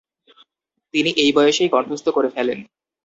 তিনি এই বয়সেই কণ্ঠস্থ করে ফেলেন।